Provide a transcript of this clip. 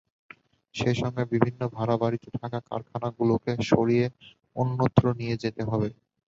সেই সঙ্গে বিভিন্ন ভাড়া বাড়িতে থাকা কারখানাগুলোকে সরিয়ে অন্যত্র নিয়ে যেতে হবে।